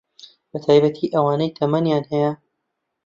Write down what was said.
بەتایبەت ئەوانەی تەمەنیان هەیە